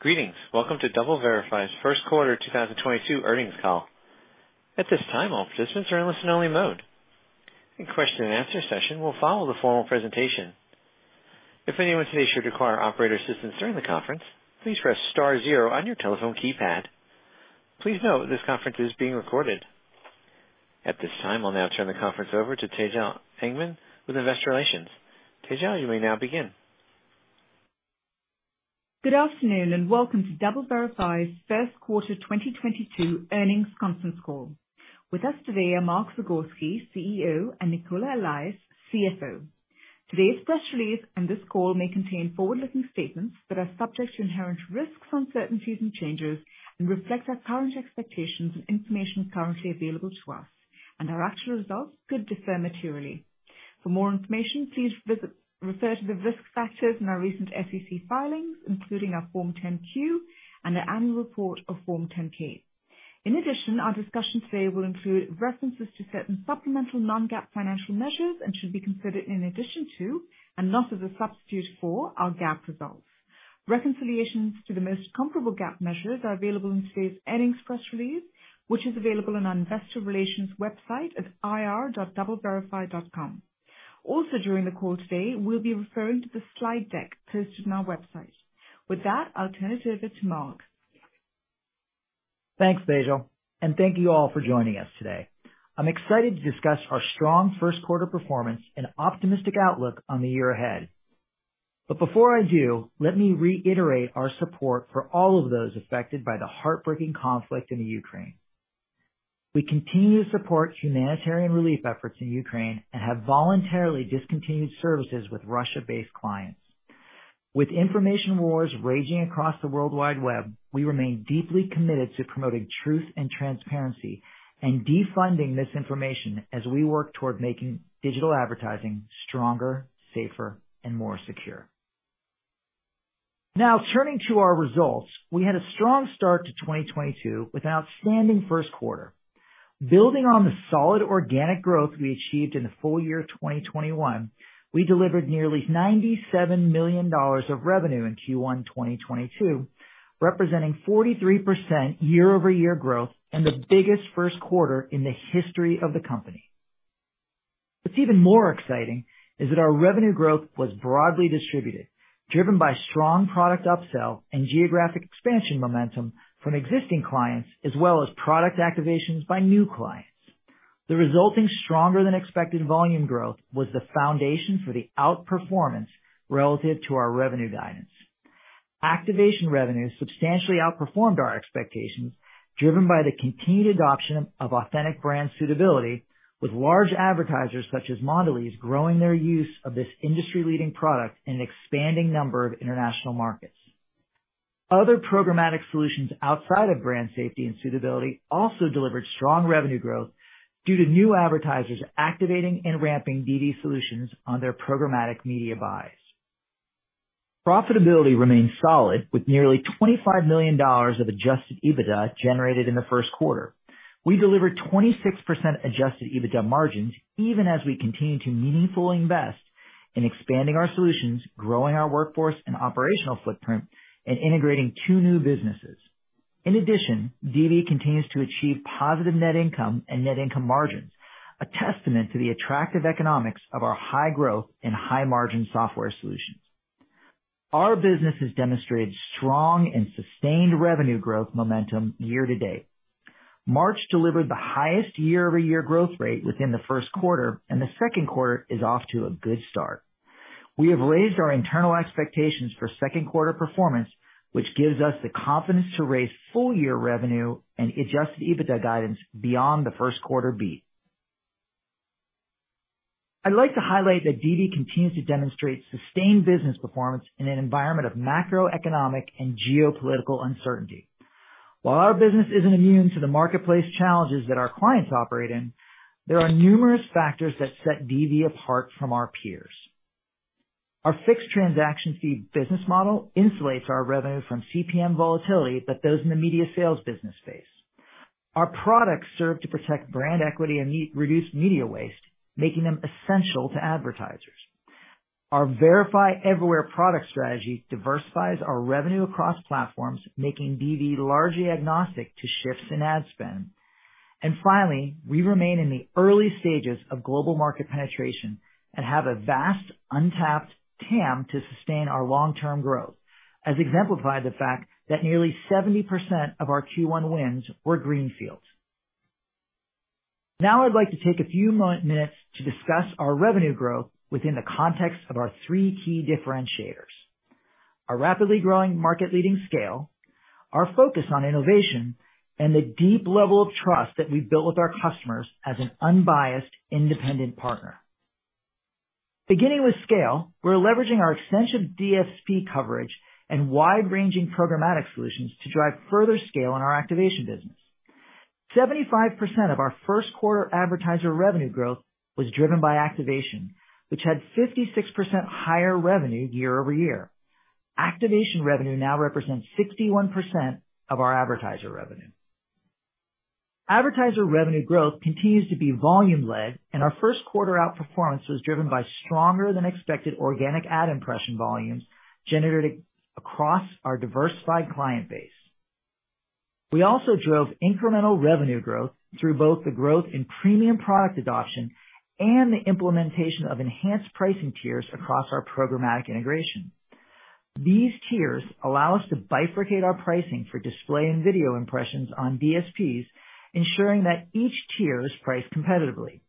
Greetings. Welcome to DoubleVerify's Q1 2022 earnings call. At this time, all participants are in listen-only mode. A question-and-answer session will follow the formal presentation. If anyone today should require operator assistance during the conference, please press star zero on your telephone keypad. Please note this conference is being recorded. At this time, I'll now turn the conference over to Tejal Engman with investor relations. Tejal, you may now begin. Good afternoon, and welcome to DoubleVerify's Q1 2022 earnings conference call. With us today are Mark Zagorski, CEO, and Nicola Allais, CFO. Today's press release and this call may contain forward-looking statements that are subject to inherent risks, uncertainties, and changes and reflect our current expectations and information currently available to us, and our actual results could differ materially. For more information, please refer to the risk factors in our recent SEC filings, including our Form 10-Q and our annual report of Form 10-K. In addition, our discussion today will include references to certain supplemental non-GAAP financial measures and should be considered in addition to, and not as a substitute for, our GAAP results. Reconciliations to the most comparable GAAP measures are available in today's earnings press release, which is available on our investor relations website at ir.doubleverify.com. Also, during the call today, we'll be referring to the slide deck posted on our website. With that, I'll turn it over to Mark. Thanks, Tejal, and thank you all for joining us today. I'm excited to discuss our strong first quarter performance and optimistic outlook on the year ahead. Before I do, let me reiterate our support for all of those affected by the heartbreaking conflict in the Ukraine. We continue to support humanitarian relief efforts in Ukraine and have voluntarily discontinued services with Russia-based clients. With information wars raging across the World Wide Web, we remain deeply committed to promoting truth and transparency and defunding misinformation as we work toward making digital advertising stronger, safer, and more secure. Now turning to our results. We had a strong start to 2022 with outstanding Q1. Building on the solid organic growth we achieved in the full year of 2021, we delivered nearly $97 million of revenue in Q1 2022, representing 43% year-over-year growth and the biggest Q1 in the history of the company. What's even more exciting is that our revenue growth was broadly distributed, driven by strong product upsell and geographic expansion momentum from existing clients as well as product activations by new clients. The resulting stronger than expected volume growth was the foundation for the outperformance relative to our revenue guidance. Activation revenues substantially outperformed our expectations, driven by the continued adoption of Authentic Brand Suitability, with large advertisers such as Mondelez growing their use of this industry-leading product in an expanding number of international markets. Other programmatic solutions outside of brand safety and suitability also delivered strong revenue growth due to new advertisers activating and ramping DV solutions on their programmatic media buys. Profitability remains solid with nearly $25 million of adjusted EBITDA generated in Q1. We delivered 26% adjusted EBITDA margins even as we continue to meaningfully invest in expanding our solutions, growing our workforce and operational footprint, and integrating two new businesses. In addition, DV continues to achieve positive net income and net income margins, a testament to the attractive economics of our high-growth and high-margin software solutions. Our business has demonstrated strong and sustained revenue growth momentum year-to-date. March delivered the highest year-over-year growth rate within Q1, and Q2 is off to a good start. We have raised our internal expectations for Q2 performance, which gives us the confidence to raise full year revenue and adjusted EBITDA guidance beyond Q1 beat. I'd like to highlight that DV continues to demonstrate sustained business performance in an environment of macroeconomic and geopolitical uncertainty. While our business isn't immune to the marketplace challenges that our clients operate in, there are numerous factors that set DV apart from our peers. Our fixed transaction fee business model insulates our revenue from CPM volatility that those in the media sales business face. Our products serve to protect brand equity and reduce media waste, making them essential to advertisers. Our Verify Everywhere product strategy diversifies our revenue across platforms, making DV largely agnostic to shifts in ad spend. Finally, we remain in the early stages of global market penetration and have a vast untapped TAM to sustain our long-term growth, as exemplified by the fact that nearly 70% of our Q1 wins were greenfields. Now I'd like to take a few minutes to discuss our revenue growth within the context of our three key differentiators, our rapidly growing market-leading scale, our focus on innovation, and the deep level of trust that we've built with our customers as an unbiased, independent partner. Beginning with scale, we're leveraging our extensive DSP coverage and wide-ranging programmatic solutions to drive further scale in our activation business. 75% of our Q1 advertiser revenue growth was driven by activation, which had 56% higher revenue year-over-year. Activation revenue now represents 61% of our advertiser revenue. Advertiser revenue growth continues to be volume-led, and our Q1 outperformance was driven by stronger than expected organic ad impression volumes generated across our diversified client base. We also drove incremental revenue growth through both the growth in premium product adoption and the implementation of enhanced pricing tiers across our programmatic integration. These tiers allow us to bifurcate our pricing for display and video impressions on DSPs, ensuring that each tier is priced competitively.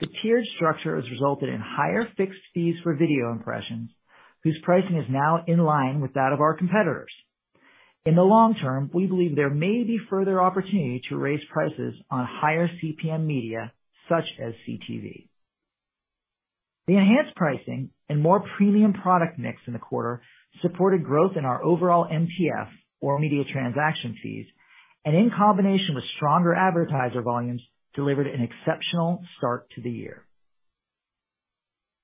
The tiered structure has resulted in higher fixed fees for video impressions, whose pricing is now in line with that of our competitors. In the long-term, we believe there may be further opportunity to raise prices on higher CPM media, such as CTV. The enhanced pricing and more premium product mix in the quarter supported growth in our overall MTF or media transaction fees, and in combination with stronger advertiser volumes, delivered an exceptional start to the year.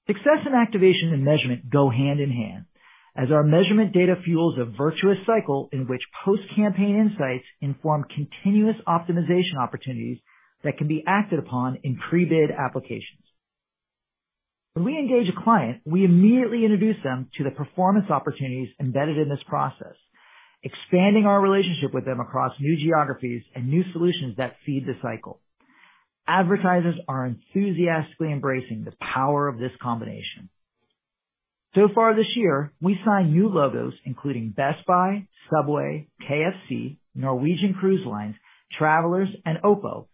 Success in activation and measurement go hand in hand as our measurement data fuels a virtuous cycle in which post-campaign insights inform continuous optimization opportunities that can be acted upon in pre-bid applications. When we engage a client, we immediately introduce them to the performance opportunities embedded in this process, expanding our relationship with them across new geographies and new solutions that feed the cycle. Advertisers are enthusiastically embracing the power of this combination. So far this year, we signed new logos including Best Buy, Subway, KFC, Norwegian Cruise Line, Travelers, and OPPO,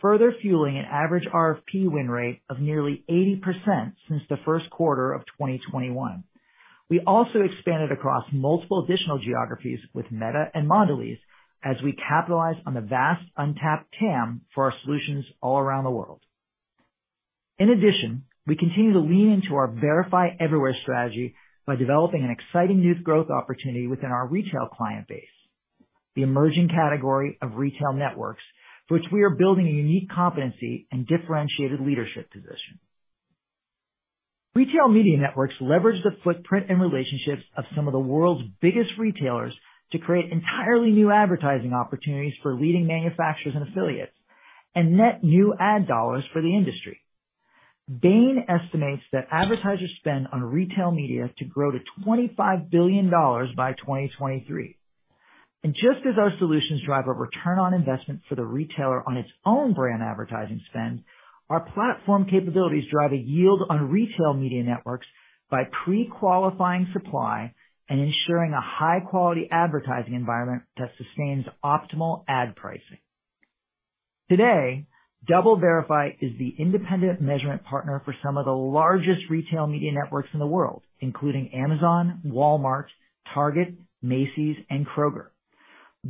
further fueling an average RFP win rate of nearly 80% since the first quarter of 2021. We also expanded across multiple additional geographies with Meta and Mondelez as we capitalize on the vast untapped TAM for our solutions all around the world. In addition, we continue to lean into our Verify Everywhere strategy by developing an exciting new growth opportunity within our retail client base, the emerging category of retail networks, for which we are building a unique competency and differentiated leadership position. Retail media networks leverage the footprint and relationships of some of the world's biggest retailers to create entirely new advertising opportunities for leading manufacturers and affiliates and net new ad dollars for the industry. Bain estimates that advertisers spend on retail media to grow to $25 billion by 2023. Just as our solutions drive a return on investment for the retailer on its own brand advertising spend, our platform capabilities drive a yield on retail media networks by pre-qualifying supply and ensuring a high-quality advertising environment that sustains optimal ad pricing. Today, DoubleVerify is the independent measurement partner for some of the largest retail media networks in the world, including Amazon, Walmart, Target, Macy's, and Kroger.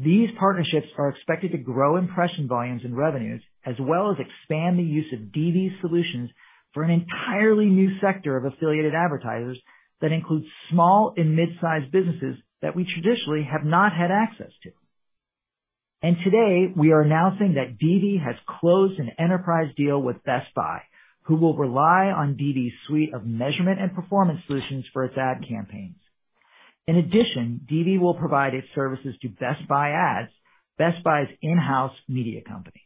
These partnerships are expected to grow impression volumes and revenues, as well as expand the use of DV's solutions for an entirely new sector of affiliated advertisers that includes small and mid-sized businesses that we traditionally have not had access to. Today, we are announcing that DV has closed an enterprise deal with Best Buy, who will rely on DV's suite of measurement and performance solutions for its ad campaigns. In addition, DV will provide its services to Best Buy Ads, Best Buy's in-house media company.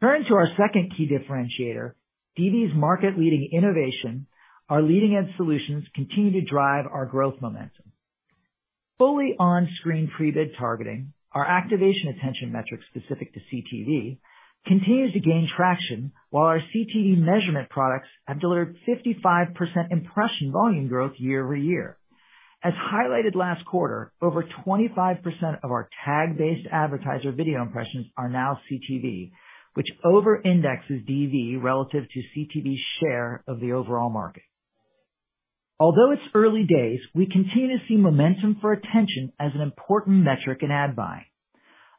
Turning to our second key differentiator, DV's market-leading innovation, our leading-edge solutions continue to drive our growth momentum. Fully On-Screen pre-bid targeting, our activation attention metrics specific to CTV continues to gain traction, while our CTV measurement products have delivered 55% impression volume growth year-over-year. As highlighted last quarter, over 25% of our tag-based advertiser video impressions are now CTV, which over-indexes DV relative to CTV's share of the overall market. Although it's early days, we continue to see momentum for attention as an important metric in ad buy.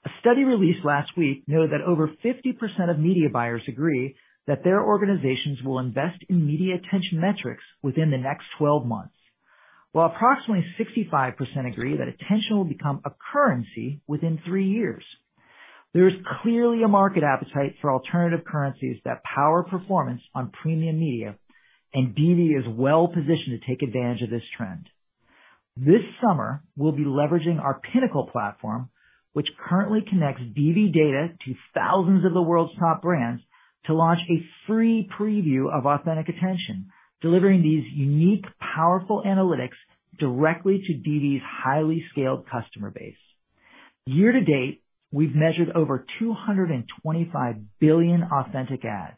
A study released last week noted that over 50% of media buyers agree that their organizations will invest in media attention metrics within the next 12 months, while approximately 65% agree that attention will become a currency within three years. There is clearly a market appetite for alternative currencies that power performance on premium media, and DV is well positioned to take advantage of this trend. This summer, we'll be leveraging our DV Pinnacle platform, which currently connects DV data to thousands of the world's top brands, to launch a free preview of DV Authentic Attention, delivering these unique, powerful analytics directly to DV's highly scaled customer base. Year-to-date, we've measured over 225 billion authentic ads,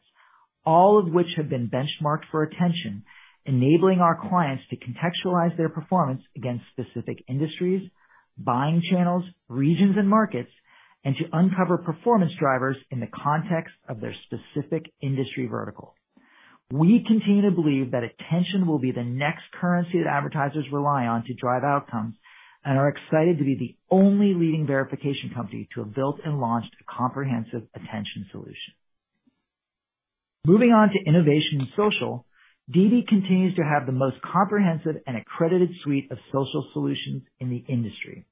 all of which have been benchmarked for attention, enabling our clients to contextualize their performance against specific industries, buying channels, regions and markets, and to uncover performance drivers in the context of their specific industry vertical. We continue to believe that attention will be the next currency that advertisers rely on to drive outcomes and are excited to be the only leading verification company to have built and launched a comprehensive attention solution. Moving on to innovation in social, DV continues to have the most comprehensive and accredited suite of social solutions in the industry.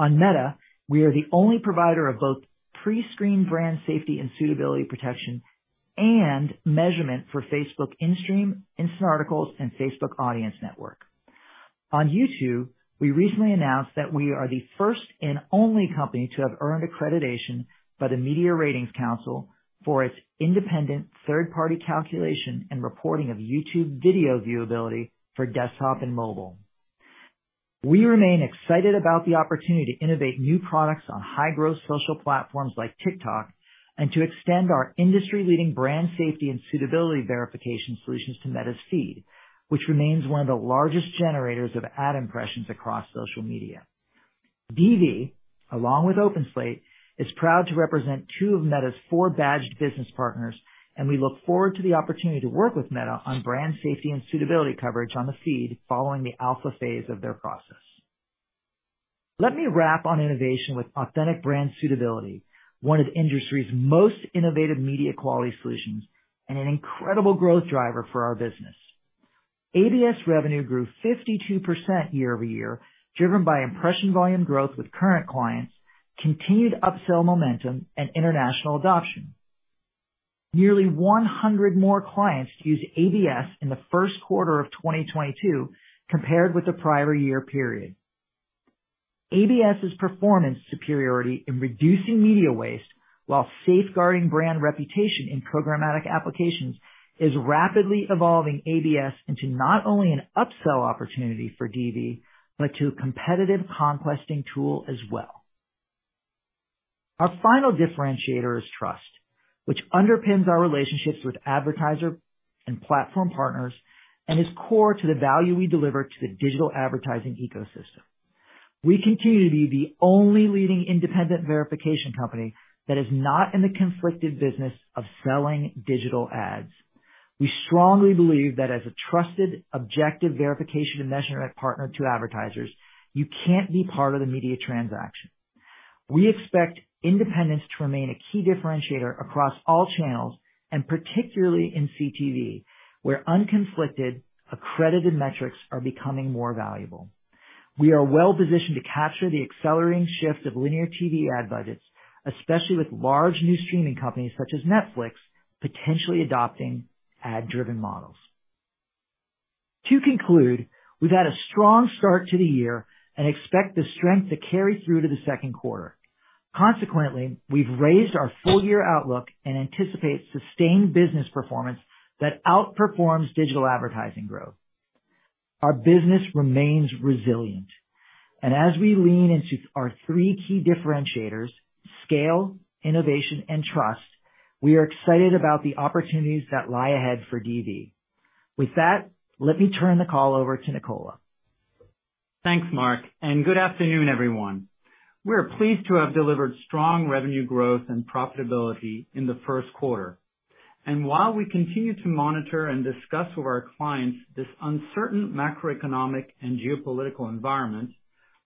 On Meta, we are the only provider of both pre-screened brand safety and suitability protection and measurement for Facebook in-stream, Instant Articles, and Facebook Audience Network. On YouTube, we recently announced that we are the first and only company to have earned accreditation by the Media Rating Council for its independent third-party calculation and reporting of YouTube video viewability for desktop and mobile. We remain excited about the opportunity to innovate new products on high-growth social platforms like TikTok and to extend our industry-leading brand safety and suitability verification solutions to Meta's Feed, which remains one of the largest generators of ad impressions across social media. DV, along with OpenSlate, is proud to represent two of Meta's four-badged business partners, and we look forward to the opportunity to work with Meta on brand safety and suitability coverage on the Feed following the alpha phase of their process. Let me wrap on innovation with Authentic Brand Suitability, one of the industry's most innovative media quality solutions and an incredible growth driver for our business. ABS revenue grew 52% year-over-year, driven by impression volume growth with current clients, continued upsell momentum, and international adoption. Nearly 100 more clients used ABS in Q1 of 2022 compared with the prior year period. ABS's performance superiority in reducing media waste while safeguarding brand reputation in programmatic applications is rapidly evolving ABS into not only an upsell opportunity for DV, but to a competitive conquesting tool as well. Our final differentiator is trust, which underpins our relationships with advertiser and platform partners and is core to the value we deliver to the digital advertising ecosystem. We continue to be the only leading independent verification company that is not in the conflicted business of selling digital ads. We strongly believe that as a trusted, objective verification and measurement partner to advertisers, you can't be part of the media transaction. We expect independence to remain a key differentiator across all channels, and particularly in CTV, where unconflicted, accredited metrics are becoming more valuable. We are well-positioned to capture the accelerating shift of linear TV ad budgets, especially with large new streaming companies such as Netflix, potentially adopting ad-driven models. To conclude, we've had a strong start to the year and expect the strength to carry through to Q2. Consequently, we've raised our full year outlook and anticipate sustained business performance that outperforms digital advertising growth. Our business remains resilient, and as we lean into our three key differentiators, scale, innovation, and trust, we are excited about the opportunities that lie ahead for DV. With that, let me turn the call over to Nicola. Thanks, Mark, and good afternoon, everyone. We are pleased to have delivered strong revenue growth and profitability in Q1. While we continue to monitor and discuss with our clients this uncertain macroeconomic and geopolitical environment,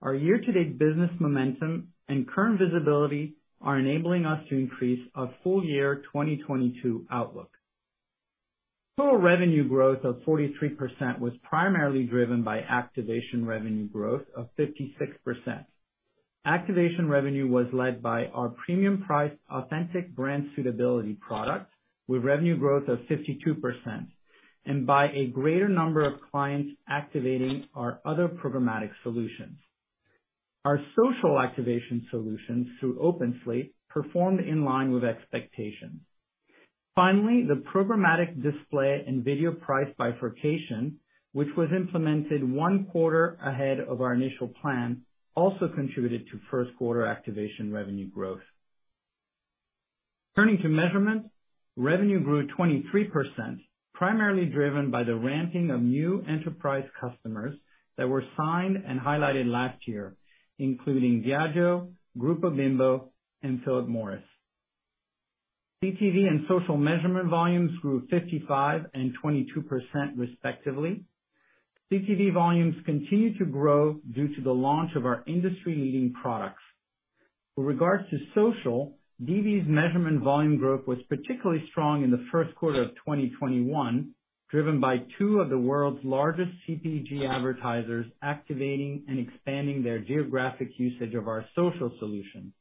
our year-to-date business momentum and current visibility are enabling us to increase our full-year 2022 outlook. Total revenue growth of 43% was primarily driven by activation revenue growth of 56%. Activation revenue was led by our premium priced Authentic Brand Suitability product, with revenue growth of 52%, and by a greater number of clients activating our other programmatic solutions. Our social activation solutions through OpenSlate performed in line with expectations. Finally, the programmatic display and video price bifurcation, which was implemented one quarter ahead of our initial plan, also contributed to Q1 activation revenue growth. Turning to measurement, revenue grew 23%, primarily driven by the ramping of new enterprise customers that were signed and highlighted last year, including Diageo, Grupo Bimbo, and Philip Morris. CTV and social measurement volumes grew 55% and 22%, respectively. CTV volumes continue to grow due to the launch of our industry-leading products. With regards to social, DV's measurement volume growth was particularly strong in Q1 of 2021, driven by two of the world's largest CPG advertisers activating and expanding their geographic usage of our social solution.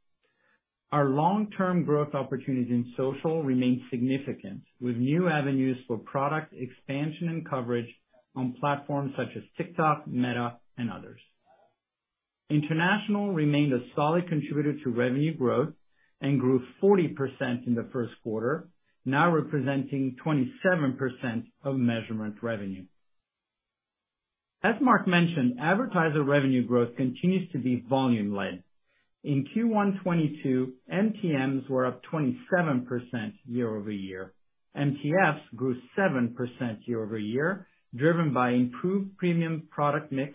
Our long-term growth opportunities in social remain significant, with new avenues for product expansion and coverage on platforms such as TikTok, Meta, and others. International remained a solid contributor to revenue growth and grew 40% in Q1, now representing 27% of measurement revenue. As Mark mentioned, advertiser revenue growth continues to be volume-led. In Q1 2022, MTMs were up 27% year-over-year. MTFs grew 7% year-over-year, driven by improved premium product mix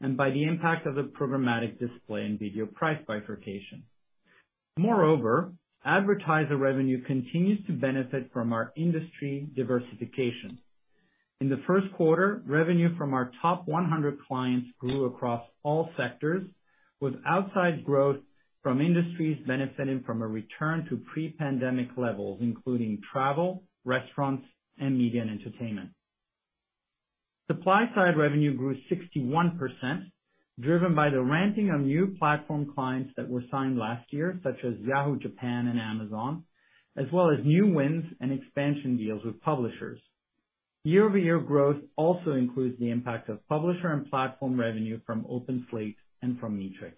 and by the impact of the programmatic display and video price bifurcation. Moreover, advertiser revenue continues to benefit from our industry diversification. In Q1, revenue from our top 100 clients grew across all sectors, with outsized growth from industries benefiting from a return to pre-pandemic levels, including travel, restaurants, and media and entertainment. Supply-side revenue grew 61%. Driven by the ramping of new platform clients that were signed last year, such as Yahoo! Japan and Amazon, as well as new wins and expansion deals with publishers. Year-over-year growth also includes the impact of publisher and platform revenue from OpenSlate and from Meetrics.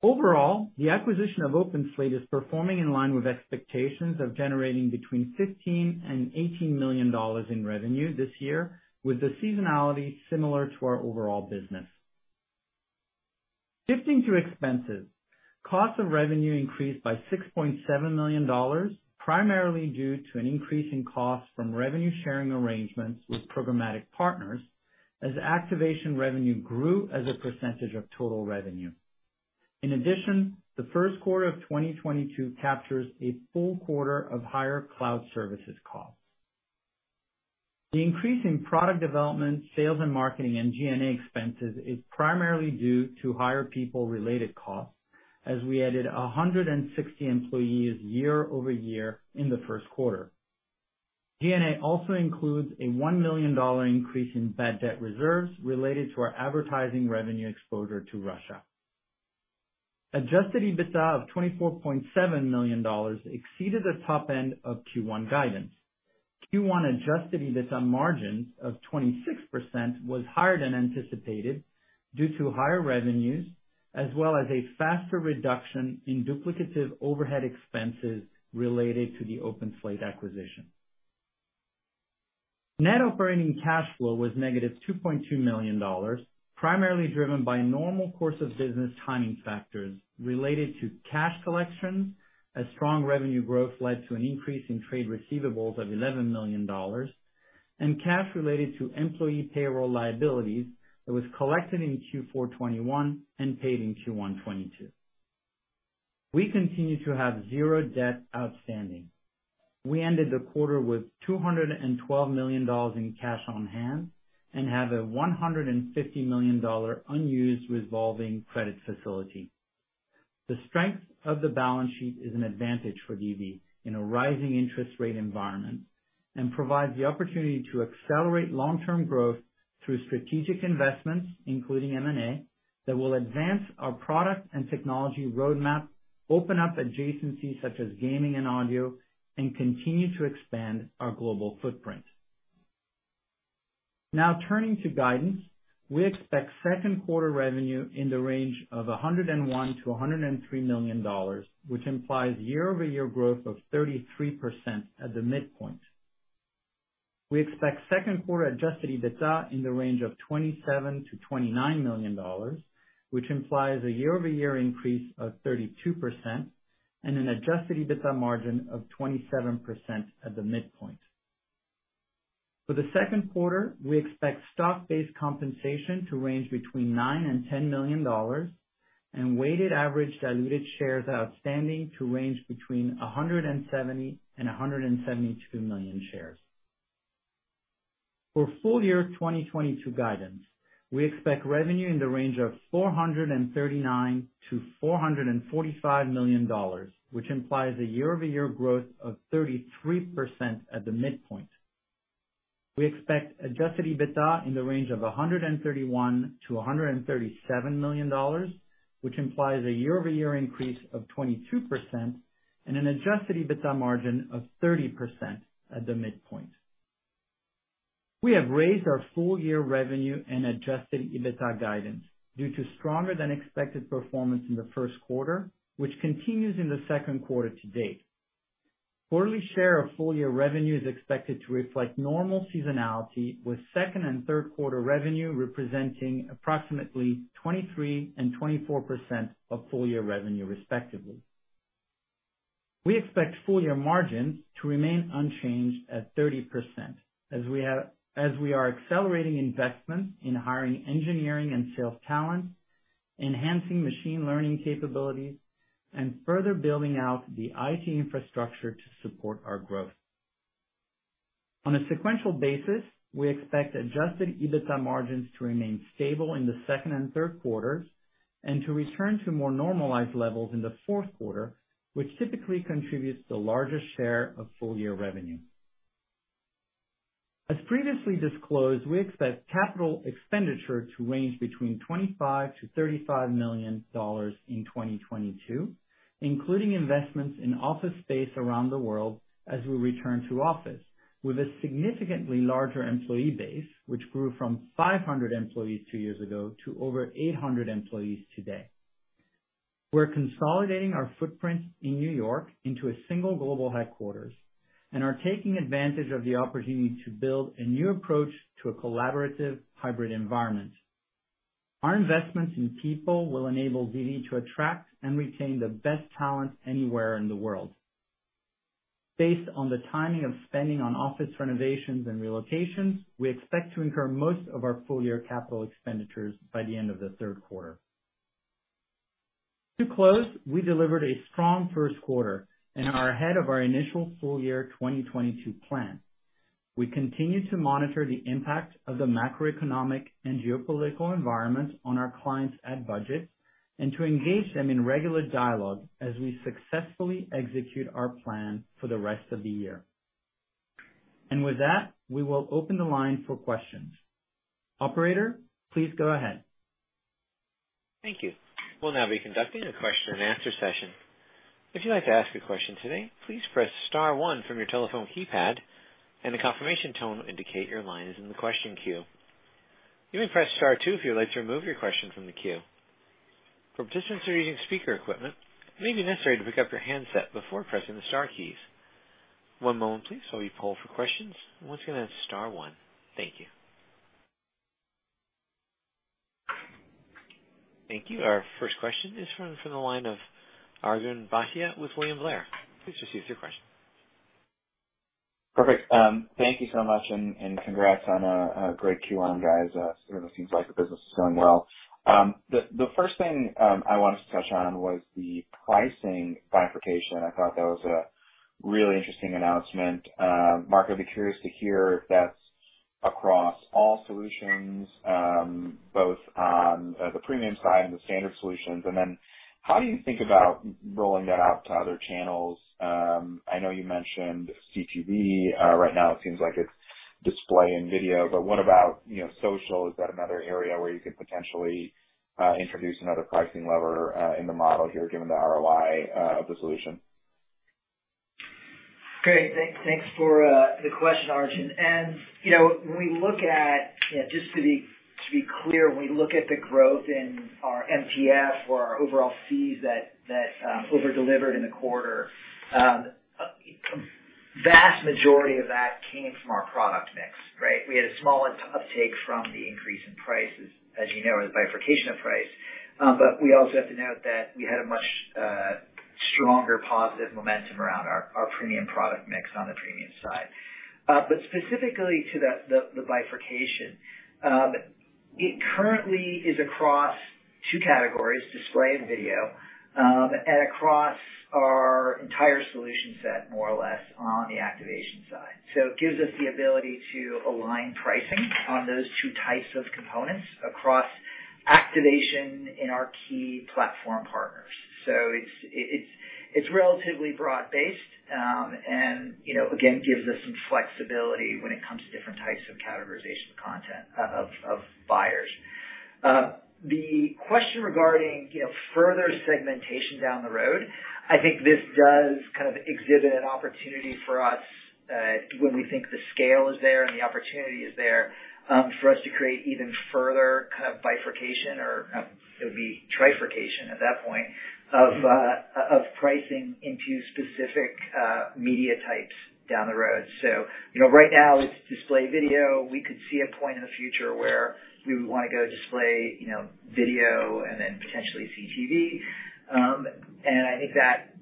Overall, the acquisition of OpenSlate is performing in line with expectations of generating between $15 million and $18 million in revenue this year, with the seasonality similar to our overall business. Shifting to expenses. Cost of revenue increased by $6.7 million, primarily due to an increase in cost from revenue sharing arrangements with programmatic partners as activation revenue grew as a percentage of total revenue. In addition, the first quarter of 2022 captures a full quarter of higher cloud services costs. The increase in product development, sales and marketing, and G&A expenses is primarily due to higher people-related costs as we added 160 employees year-over-year in Q1. G&A also includes a $1 million increase in bad debt reserves related to our advertising revenue exposure to Russia. Adjusted EBITDA of $24.7 million exceeded the top end of Q1 guidance. Q1 adjusted EBITDA margins of 26% was higher than anticipated due to higher revenues, as well as a faster reduction in duplicative overhead expenses related to the OpenSlate acquisition. Net operating cash flow was -$2.2 million, primarily driven by normal course of business timing factors related to cash collections, as strong revenue growth led to an increase in trade receivables of $11 million, and cash related to employee payroll liabilities that was collected in Q4 2021 and paid in Q1 2022. We continue to have zero debt outstanding. We ended the quarter with $212 million in cash on hand and have a $150 million unused revolving credit facility. The strength of the balance sheet is an advantage for DV in a rising interest rate environment, and provides the opportunity to accelerate long-term growth through strategic investments, including M&A, that will advance our product and technology roadmap, open up adjacencies such as gaming and audio, and continue to expand our global footprint. Now turning to guidance. We expect Q2 revenue in the range of $101 million-$103 million, which implies year-over-year growth of 33% at the midpoint. We expect second quarter adjusted EBITDA in the range of $27 million-$29 million, which implies a year-over-year increase of 32% and an adjusted EBITDA margin of 27% at the midpoint. For Q2, we expect stock-based compensation to range between $9 million-$10 million, and weighted average diluted shares outstanding to range between 170 million-172 million shares. For full year 2022 guidance, we expect revenue in the range of $439 million-$445 million, which implies a year-over-year growth of 33% at the midpoint. We expect adjusted EBITDA in the range of $131 million-$137 million, which implies a year-over-year increase of 22% and an adjusted EBITDA margin of 30% at the midpoint. We have raised our full year revenue and adjusted EBITDA guidance due to stronger than expected performance in Q1, which continues in Q2 to date. Quarterly share of full year revenue is expected to reflect normal seasonality, with Q2 and Q3 revenue representing approximately 23% and 24% of full year revenue, respectively. We expect full year margins to remain unchanged at 30% as we are accelerating investments in hiring engineering and sales talent, enhancing machine learning capabilities, and further building out the IT infrastructure to support our growth. On a sequential basis, we expect adjusted EBITDA margins to remain stable in Q2 and Q3 and to return to more normalized levels in Q4, which typically contributes the largest share of full year revenue. As previously disclosed, we expect capital expenditure to range between $25-$35 million in 2022, including investments in office space around the world as we return to office with a significantly larger employee base, which grew from 500 employees two years ago to over 800 employees today. We're consolidating our footprint in New York into a single global headquarters and are taking advantage of the opportunity to build a new approach to a collaborative hybrid environment. Our investments in people will enable DV to attract and retain the best talent anywhere in the world. Based on the timing of spending on office renovations and relocations, we expect to incur most of our full year capital expenditures by the end of Q3. To close, we delivered a strong first quarter and are ahead of our initial full year 2022 plan. We continue to monitor the impact of the macroeconomic and geopolitical environment on our clients' ad budgets and to engage them in regular dialogue as we successfully execute our plan for the rest of the year. With that, we will open the line for questions. Operator, please go ahead. Thank you. We'll now be conducting a question-and-answer session. If you'd like to ask a question today, please press star one from your telephone keypad and the confirmation tone will indicate your line is in the question queue. You may press star two if you'd like to remove your question from the queue. For participants who are using speaker equipment, it may be necessary to pick up your handset before pressing the star keys. One moment please while we poll for questions. Once again, that's star one. Thank you. Our first question is from the line of Arjun Bhatia with William Blair. Please proceed with your question. Perfect. Thank you so much and congrats on a great Q1, guys. Certainly seems like the business is going well. The first thing I wanted to touch on was the pricing bifurcation. I thought that was a really interesting announcement. Mark, I'd be curious to hear if that's across all solutions, both on the premium side and the standard solutions. Then how do you think about rolling that out to other channels? I know you mentioned CTV. Right now it seems like it's display and video, but what about, social? Is that another area where you could potentially introduce another pricing lever in the model here given the ROI of the solution? Great. Thanks for the question, Arjun. Just to be clear, when we look at the growth in our MTF or our overall fees that over-delivered in the quarter, a vast majority of that came from our product mix. We had a small uptake from the increase in prices, as you know, the bifurcation of price, but we also have to note that we had a much stronger positive momentum around our premium product mix on the premium side. Specifically to the bifurcation, it currently is across two categories, display and video, and across our entire solution set more or less on the activation side. It gives us the ability to align pricing on those two types of components across activation in our key platform partners. It's relatively broad-based, and again, gives us some flexibility when it comes to different types of categorization content of buyers. The question regarding further segmentation down the road, I think this does exhibit an opportunity for us, when we think the scale is there and the opportunity is there, for us to create even further bifurcation or it would be trifurcation at that point of pricing into specific media types down the road. Right now it's display video. We could see a point in the future where we would want to go display video and then potentially CTV. I think that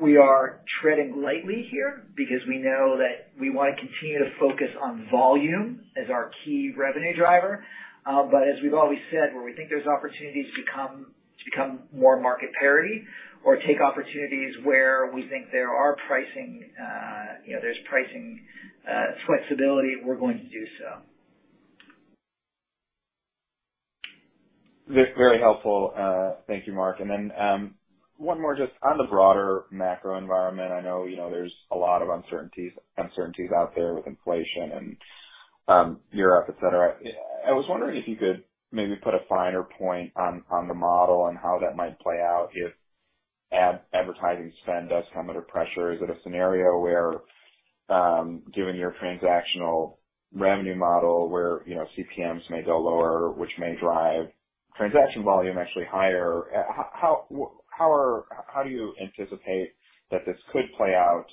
we are treading lightly here because we know that we want to continue to focus on volume as our key revenue driver. As we've always said, where we think there's opportunities to become more market parity or take opportunities where we think there's pricing flexibility, we're going to do so. Very helpful. Thank you, Mark. One more just on the broader macro environment. I know there's a lot of uncertainties out there with inflation and Europe, etc. I was wondering if you could maybe put a finer point on the model and how that might play out if advertising spend does come under pressure. Is it a scenario where, given your transactional revenue model where CPMs may go lower, which may drive transaction volume actually higher? How do you anticipate that this could play out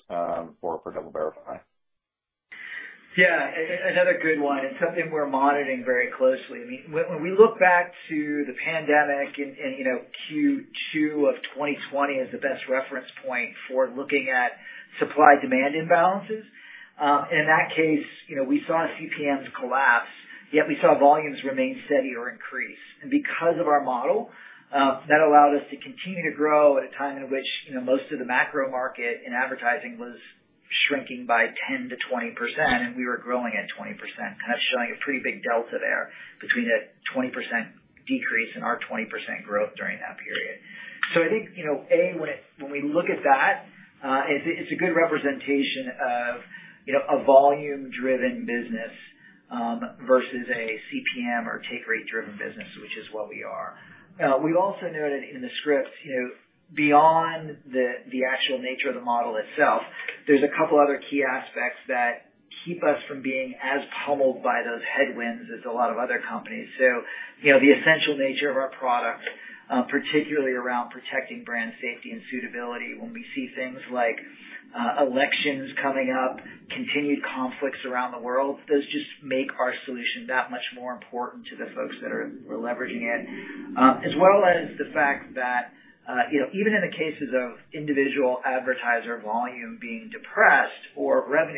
for DoubleVerify? Another good one. It's something we're monitoring very closely. When we look back to the pandemic and Q2 of 2020 as the best reference point for looking at supply demand imbalances, in that case, we saw CPMs collapse, yet we saw volumes remain steady or increase. Because of our model, that allowed us to continue to grow at a time in which most of the macro market in advertising was shrinking by 10%-20% and we were growing at 20%. Showing a pretty big delta there between the 20% decrease and our 20% growth during that period. I think, A, when we look at that, it's a good representation of a volume-driven business versus a CPM or take rate-driven business, which is what we are. We also noted in the script, beyond the actual nature of the model itself, there's a couple of other key aspects that keep us from being as pummeled by those headwinds as a lot of other companies. The essential nature of our product, particularly around protecting brand safety and suitability when we see things like elections coming up, continued conflicts around the world, those just make our solution that much more important to the folks that are leveraging it. As well as the fact that even in the cases of individual advertiser volume being depressed or ad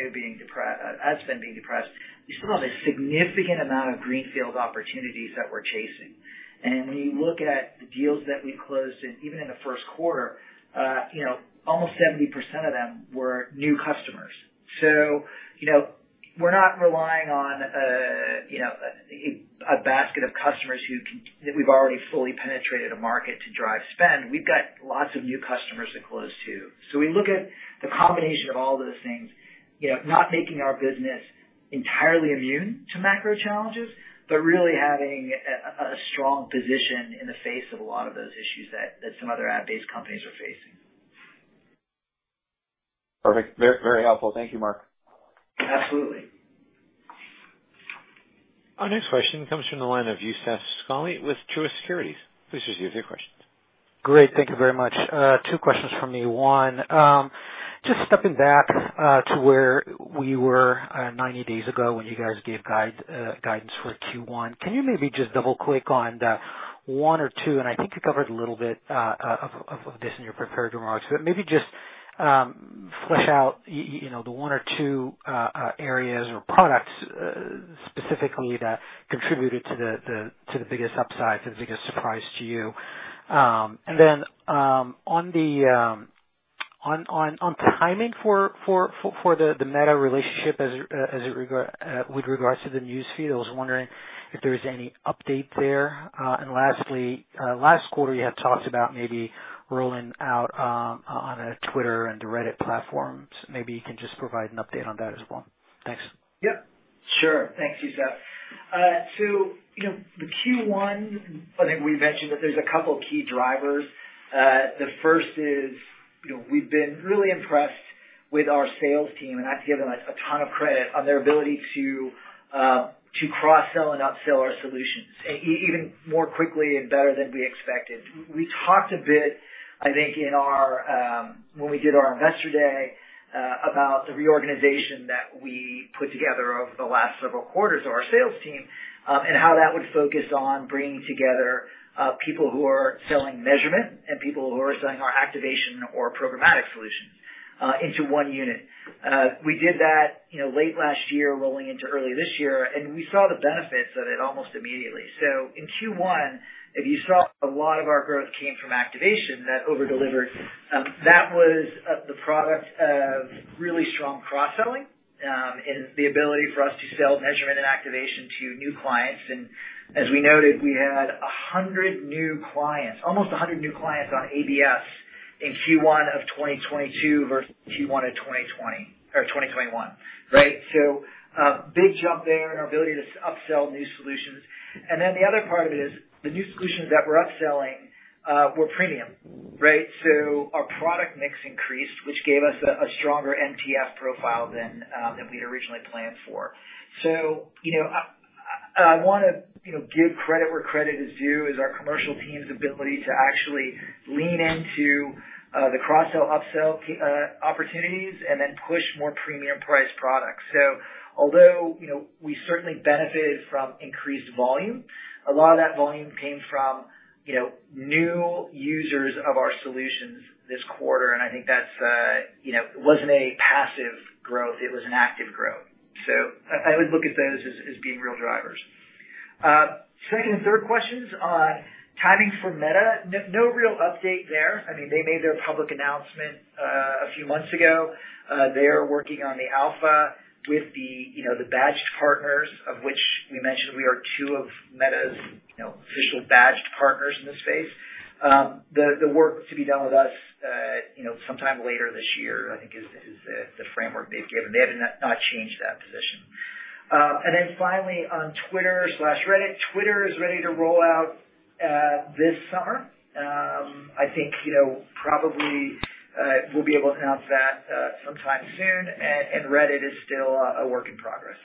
spend being depressed, we still have a significant amount of greenfield opportunities that we're chasing. When you look at the deals that we closed even in Q1, almost 70% of them were new customers. We're not relying on a basket of customers that we've already fully penetrated a market to drive spend. We've got lots of new customers to close too. We look at the combination of all those things, not making our business entirely immune to macro challenges, but really having a strong position in the face of a lot of those issues that some other ad-based companies are facing. Perfect. Very helpful. Thank you, Mark. Absolutely. Our next question comes from the line of Youssef Squali with Truist Securities. Youssef, your questions. Great. Thank you very much. Two questions from me. One, just stepping back to where we were 90 days ago when you guys gave guidance for Q1. Can you maybe just double-click on the one or two, and I think you covered a little bit of this in your prepared remarks, but maybe just flesh out the one or two areas or products specifically that contributed to the biggest upside, to the biggest surprise to you. Then, on the timing for the Meta relationship with regards to the News Feed, I was wondering if there's any update there. Lastly, last quarter, you had talked about maybe rolling out on a Twitter and the Reddit platforms. Maybe you can just provide an update on that as well. Thanks. Sure. Thanks, Youssef. Q1, I think we've mentioned that there's a couple of key drivers. The first is, we've been really impressed with our sales team, and I've given a ton of credit on their ability to cross-sell and up-sell our solutions even more quickly and better than we expected. We talked a bit when we did our investor day, about the reorganization that we put together over the last several quarters of our sales team, and how that would focus on bringing together people who are selling measurement and people who are selling our activation or programmatic solutions into one unit. We did that late last year rolling into early this year, and we saw the benefits of it almost immediately. In Q1, if you saw a lot of our growth came from activation, that over-delivered. That was the product of really strong cross-selling, and the ability for us to sell measurement and activation to new clients. As we noted, we had 100 new clients, almost 100 new clients on ABS in Q1 of 2022 versus Q1 of 2020 or 2021. Big jump there in our ability to upsell new solutions. Then, the other part of it is the new solutions that we're upselling were premium. Our product mix increased, which gave us a stronger MTFs profile than we had originally planned for. I want to give credit where credit is due, is our commercial team's ability to actually lean into the cross-sell, up-sell opportunities and then push more premium priced products. Although, we certainly benefited from increased volume, a lot of that volume came from new users of our solutions this quarter. I think it wasn't a passive growth, it was an active growth. I would look at those as being real drivers. Second and third questions on timing for Meta. No real update there. They made their public announcement a few months ago. They are working on the alpha with the badged partners of which we mentioned we are two of Meta's official badged partners in this space. The work to be done with us sometime later this year, I think is the framework they've given. They have not changed that position. Then finally on Twitter/Reddit. Twitter is ready to roll out this summer. I think probably we'll be able to announce that sometime soon. Reddit is still a work in progress.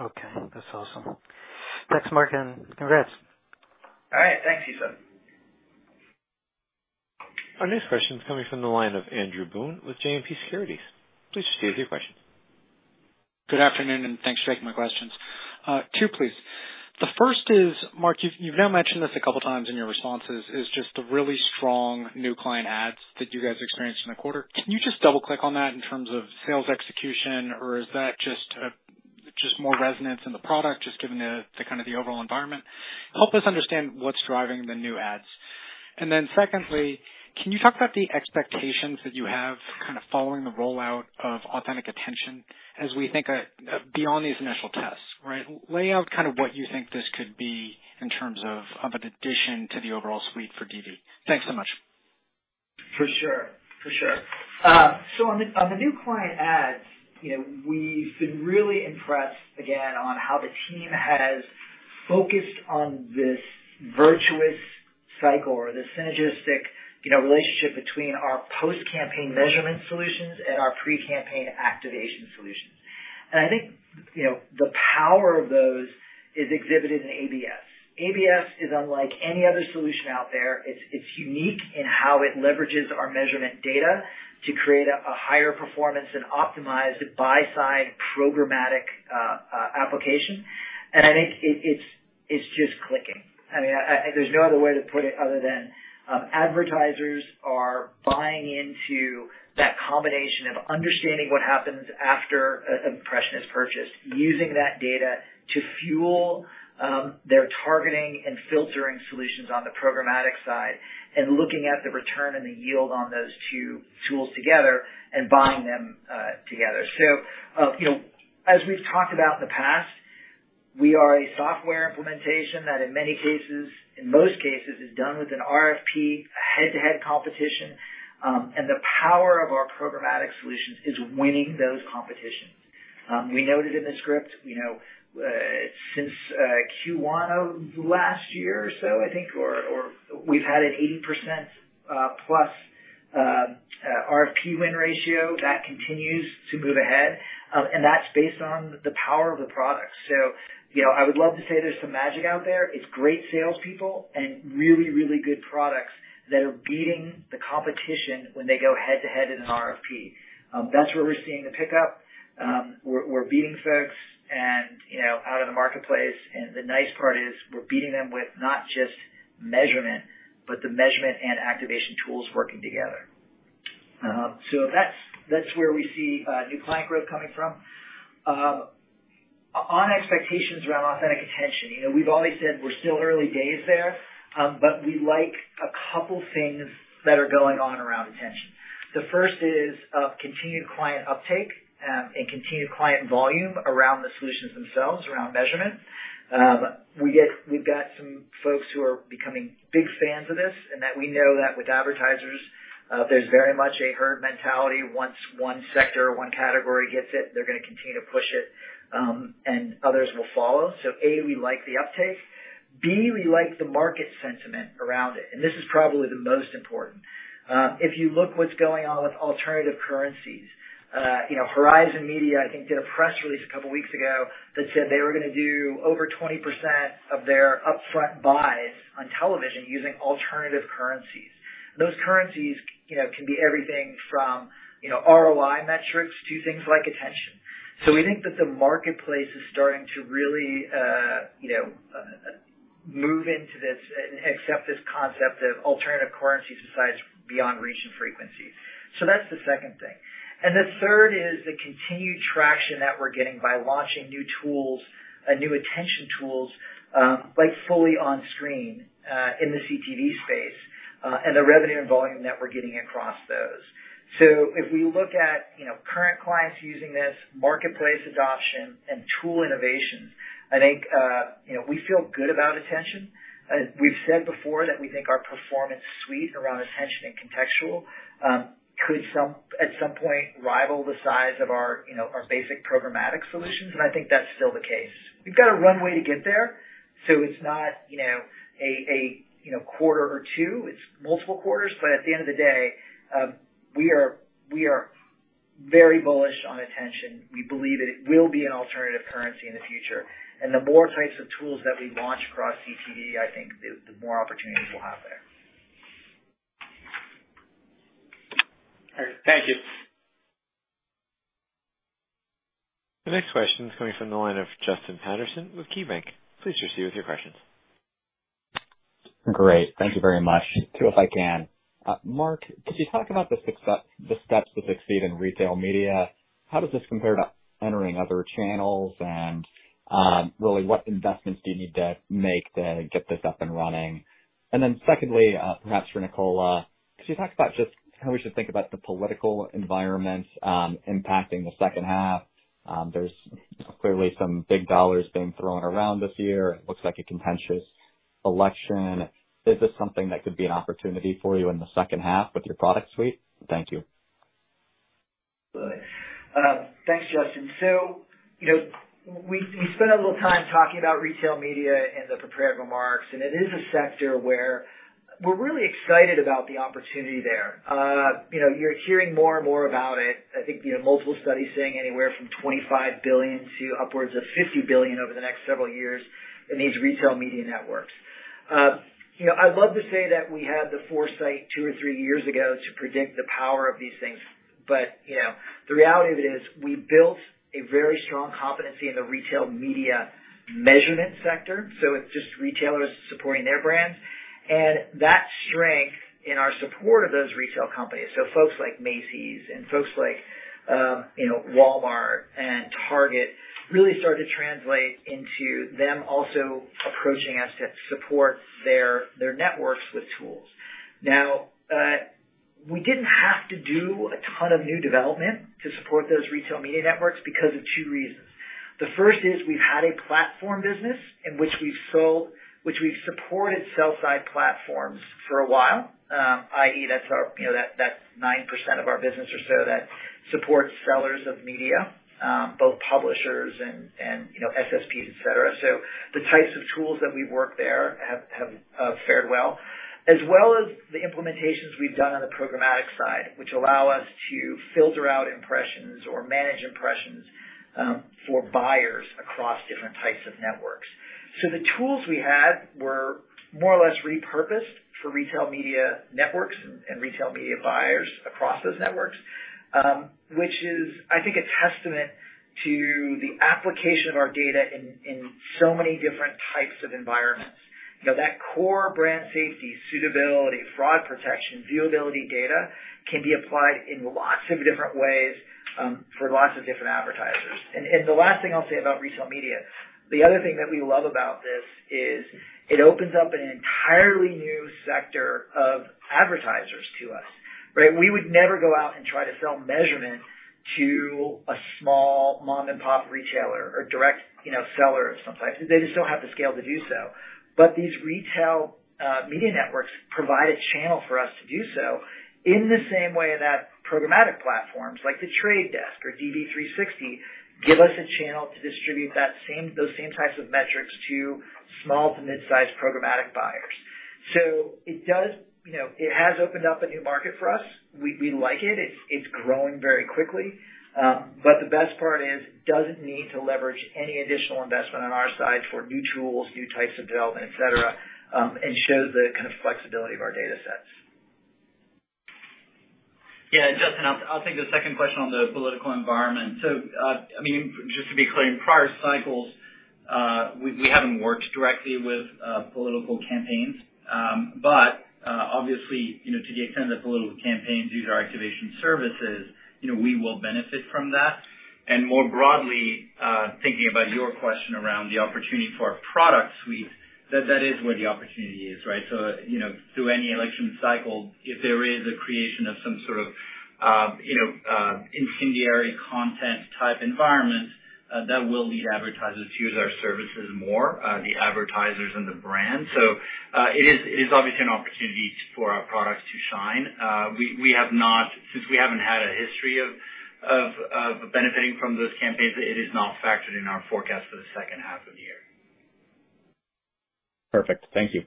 Okay. That's awesome. Thanks, Mark, and congrats. All right. Thanks, Youssef. Our next question is coming from the line of Andrew Boone with JMP Securities. Please proceed with your question. Good afternoon, and thanks for taking my questions. Two, please. The first is, Mark, you've now mentioned this a couple of times in your responses, is just the really strong new client adds that you guys experienced in the quarter. Can you just double-click on that in terms of sales execution or is that just more resonance in the product, just given the overall environment? Help us understand what's driving the new adds. Then secondly, can you talk about the expectations that you have following the rollout of Authentic Attention as we think beyond these initial tests? Lay out what you think this could be in terms of an addition to the overall suite for DV. Thanks so much. For sure. On the new client adds, we've been really impressed again on how the team has focused on this virtuous cycle or this synergistic relationship between our post-campaign measurement solutions and our pre-campaign activation solutions. I think the power of those is exhibited in ABS. ABS is unlike any other solution out there. It's unique in how it leverages our measurement data to create a higher performance and optimized buy-side programmatic application. I think it's just clicking. There's no other way to put it other than advertisers are buying into that combination of understanding what happens after an impression is purchased using that data to fuel their targeting and filtering solutions on the programmatic side and looking at the return and the yield on those two tools together and buying them together. As we've talked about in the past, we are a software implementation that in many cases, in most cases, is done with an RFP head-to-head competition. The power of our programmatic solutions is winning those competitions. We noted in the script, since Q1 of last year or so, I think we've had an 80% plus RFP win ratio. That continues to move ahead. That's based on the power of the product. I would love to say there's some magic out there. It's great salespeople and really good products that are beating the competition when they go head to head in an RFP. That's where we're seeing the pickup. We're beating folks and out of the marketplace. The nice part is we're beating them with not just measurement, but the measurement and activation tools working together. That's where we see new client growth coming from. On expectations around authentic attention. We've always said we're still early days there, but we like a couple of things that are going on around attention. The first is continued client uptake and continued client volume around the solutions themselves, around measurement. We've got some folks who are becoming big fans of this and that we know that with advertisers, there's very much a herd mentality. Once one sector or one category gets it, they're going to continue to push it, and others will follow. A, we like the uptake. B, we like the market sentiment around it, and this is probably the most important. If you look what's going on with alternative currencies, Horizon Media, I think, did a press release a couple of weeks ago that said they were going to do over 20% of their upfront buys on television using alternative currencies. Those currencies can be everything from ROI metrics to things like attention. We think that the marketplace is starting to really move into this and accept this concept of alternative currencies besides, beyond reach and frequency. That's the second thing. The third is the continued traction that we're getting by launching new attention tools fully on screen in the CTV space, and the revenue and volume that we're getting across those. If we look at current clients using this marketplace adoption and tool innovations, I think we feel good about attention. We've said before that we think our performance suite around attention and contextual, could at some point rival the size of our basic programmatic solutions, and I think that's still the case. We've got a runway to get there, so it's not a quarter or two. It's multiple quarters. At the end of the day, we are very bullish on attention. We believe that it will be an alternative currency in the future. The more types of tools that we launch across CTV, I think the more opportunities we'll have there. All right. Thank you. The next question is coming from the line of Justin Patterson with KeyBanc. Please proceed with your questions. Great. Thank you very much. Two, if I can. Mark, could you talk about the steps to succeed in retail media? How does this compare to entering other channels? Really, what investments do you need to make to get this up and running? Then secondly, perhaps for Nicola, could you talk about just how we should think about the political environment impacting the second half? There's clearly some big dollars being thrown around this year. It looks like a contentious election. Is this something that could be an opportunity for you in the second half with your product suite? Thank you. Thanks, Justin. We spent a little time talking about retail media in the prepared remarks, and it is a sector where we're really excited about the opportunity there. You're hearing more and more about it. I think multiple studies saying anywhere from $25 billion to upwards of $50 billion over the next several years in these retail media networks. I'd love to say that we had the foresight two or three years ago to predict the power of these things, but the reality of it is we built a very strong competency in the retail media measurement sector, so it's just retailers supporting their brands. That strength in our support of those retail companies, folks like Macy's and folks like Walmart and Target, really started to translate into them also approaching us to support their networks with tools. Now, we didn't have to do a ton of new development to support those retail media networks because of two reasons. The first is we've had a platform business in which we've supported sell-side platforms for a while, i.e., that 9% of our business or so that supports sellers of media, both publishers and SSPs, etc. The types of tools that we work there have fared well, as well as the implementations we've done on the programmatic side, which allow us to filter out impressions or manage impressions for buyers across different types of networks. The tools we had were more or less repurposed for retail media networks and retail media buyers across those networks, which is, I think a testament to the application of our data in so many different types of environments. That core brand safety, suitability, fraud protection, viewability data can be applied in lots of different ways for lots of different advertisers. The last thing I'll say about retail media, the other thing that we love about this is it opens up an entirely new sector of advertisers to us. We would never go out and try to sell measurement to a small mom-and-pop retailer or direct seller of some type. They just don't have the scale to do so. These retail media networks provide a channel for us to do so in the same way that programmatic platforms like The Trade Desk or DV360 give us a channel to distribute those same types of metrics to small to mid-size programmatic buyers. It has opened up a new market for us. We like it. It's growing very quickly. The best part is it doesn't need to leverage any additional investment on our side for new tools, new types of development, etc., and shows the flexibility of our data sets. Justin, I'll take the second question on the political environment. Just to be clear, in prior cycles, we haven't worked directly with political campaigns. Obviously, to the extent that political campaigns use our activation services, we will benefit from that. More broadly, thinking about your question around the opportunity for our product suite, that is where the opportunity is through any election cycle, if there is a creation of some incendiary content-type environment, that will lead advertisers to use our services more, the advertisers and the brands. It is obviously an opportunity for our products to shine. Since we haven't had a history of benefiting from those campaigns, it is not factored in our forecast for the second half of the year. Perfect. Thank you.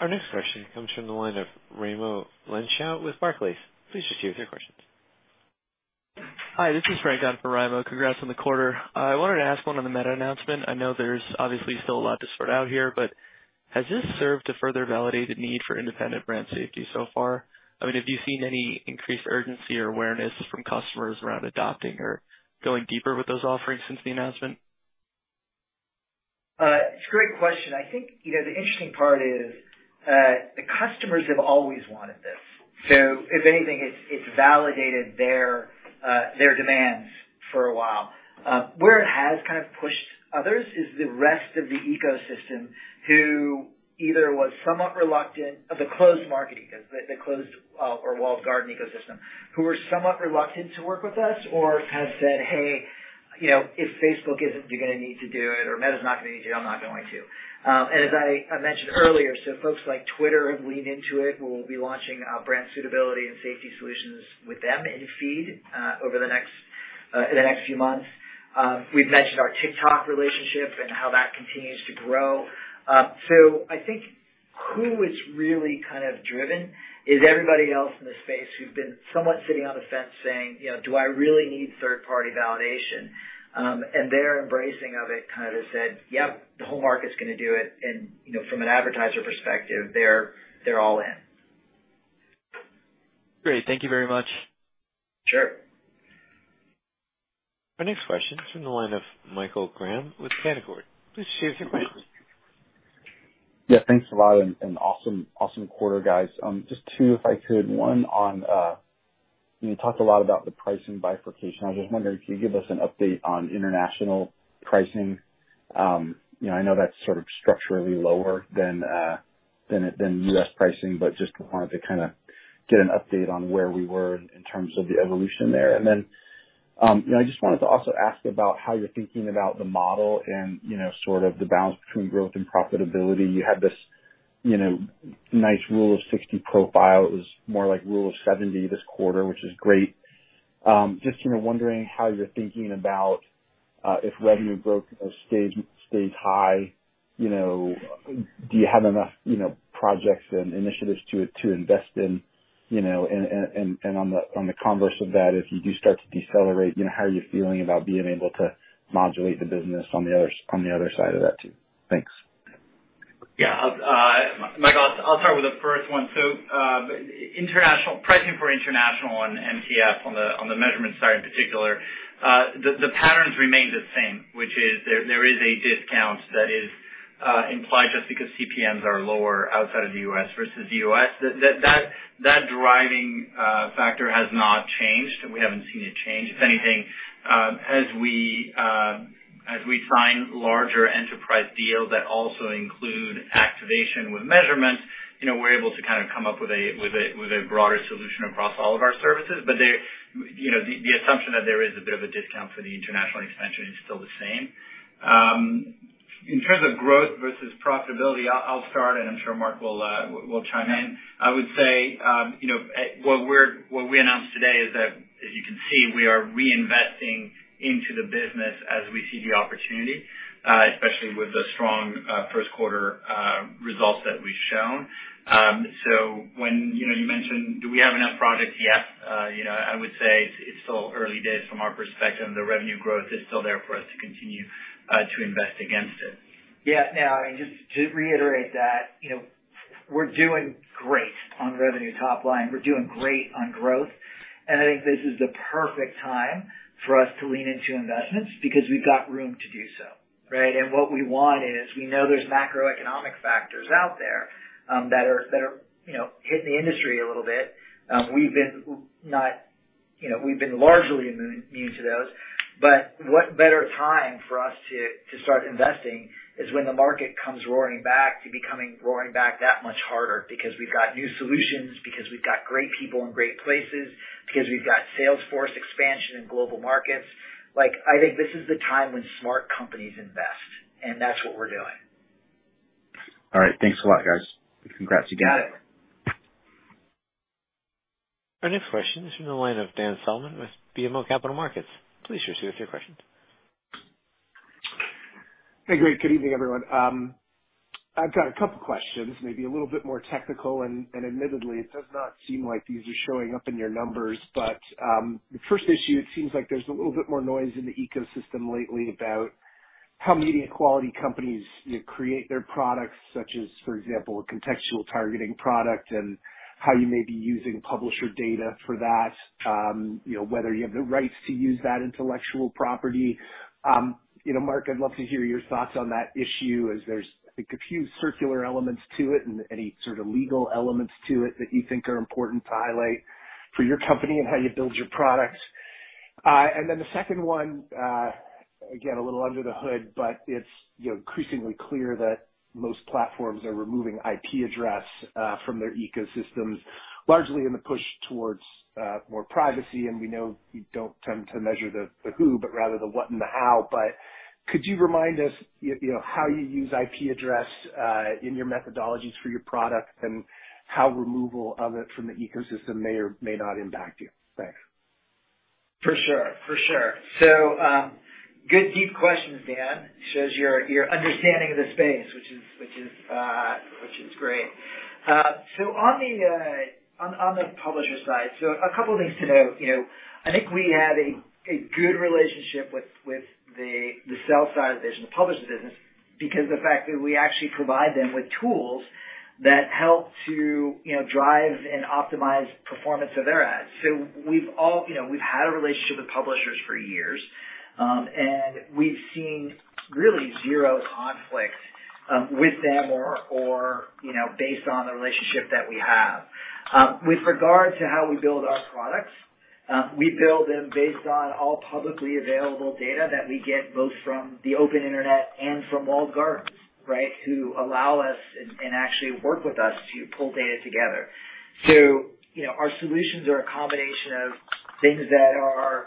Our next question comes from the line of Raimo Lenschow with Barclays. Please go ahead with your questions. Hi, this is Frank on for Raimo. Congrats on the quarter. I wanted to ask one on the Meta announcement. I know there's obviously still a lot to sort out here, but has this served to further validate the need for independent brand safety so far? Have you seen any increased urgency or awareness from customers around adopting or going deeper with those offerings since the announcement? It's a great question. I think the interesting part is, the customers have always wanted this. If anything, it's validated their demands for a while. Where it has pushed others is the rest of the ecosystem who were somewhat reluctant to work with us or have said, "Hey, if Facebook isn't going to need to do it or Meta's not going to need to, I'm not going to." As I mentioned earlier, folks like Twitter have leaned into it. We'll be launching brand suitability and safety solutions with them in feed over the next few months. We've mentioned our TikTok relationship and how that continues to grow. I think who is really driven is everybody else in the space who've been somewhat sitting on the fence saying, "Do I really need third-party validation?" and their embracing of it has said, "Yes, the whole market's going to do it." From an advertiser perspective, they're all in. Great. Thank you very much. Sure. Our next question is from the line of Michael Graham with Canaccord. Please share your questions. Yes, thanks a lot, and awesome quarter, guys. Just two, if I could. One on, you talked a lot about the pricing bifurcation. I was just wondering if you could give us an update on international pricing. I know that's structurally lower than U.S. pricing, but just wanted to get an update on where we were in terms of the evolution there. Then, I just wanted to also ask about how you're thinking about the model and the balance between growth and profitability. You had this nice rule of 60 profile. It was more like rule of 70 this quarter, which is great. Just wondering how you're thinking about if revenue growth has stayed high, do you have enough projects and initiatives to invest in? On the converse of that, if you do start to decelerate, how are you feeling about being able to modulate the business on the other side of that too? Thanks. Michael, I'll start with the first one. Pricing for international on MTF, on the measurement side in particular, the patterns remain the same, which is there is a discount that is implied just because CPMs are lower outside of the U.S. versus the U.S. That driving factor has not changed. We haven't seen it change. If anything, as we sign larger enterprise deals that also include activation with measurement, we're able to come up with a broader solution across all of our services. The assumption that there is a bit of a discount for the international expansion is still the same. In terms of growth versus profitability, I'll start, and I'm sure Mark will chime in. I would say, what we announced today is that, as you can see, we are reinvesting into the business as we see the opportunity, especially with the strong Q1 results that we've shown. When you mentioned, do we have enough projects yet? I would say it's still early days from our perspective. The revenue growth is still there for us to continue to invest against it. Yes. Just to reiterate that, we're doing great on revenue top line. We're doing great on growth. I think this is the perfect time for us to lean into investments because we've got room to do so. What we want is we know there's macroeconomic factors out there that are hitting the industry a little bit. We've been largely immune to those. What better time for us to start investing is when the market comes roaring back that much harder because we've got new solutions, because we've got great people in great places, because we've got sales force expansion in global markets. I think this is the time when smart companies invest, and that's what we're doing. All right. Thanks a lot, guys. Congrats again. Got it. Our next question is from the line of Dan Salmon with BMO Capital Markets. Please proceed with your questions. Hey, great. Good evening, everyone. I've got a couple of questions, maybe a little bit more technical, and admittedly, it does not seem like these are showing up in your numbers. The first issue, it seems like there's a little bit more noise in the ecosystem lately about how media quality companies create their products such as, for example, a contextual targeting product and how you may be using publisher data for that. Whether you have the rights to use that intellectual property. Mark, I'd love to hear your thoughts on that issue as there's a few circular elements to it and any legal elements to it that you think are important to highlight for your company and how you build your products. The second one, again, a little under the hood, but it's increasingly clear that most platforms are removing IP address from their ecosystems, largely in the push towards more privacy. We know you don't tend to measure the who, but rather the what and the how. Could you remind us how you use IP address in your methodologies for your product and how removal of it from the ecosystem may or may not impact you? Thanks. For sure. Good deep questions, Dan. Shows you're understanding of the space, which is great. On the publisher side, a couple of things to note. I think we have a good relationship with the sell side of the publisher business, because the fact that we actually provide them with tools that help to drive and optimize performance of their ads. We've had a relationship with publishers for years, and we've seen really zero conflict with them or based on the relationship that we have. With regard to how we build our products, we build them based on all publicly available data that we get both from the open internet and from walled gardens who allow us and actually work with us to pull data together. Our solutions are a combination of things that are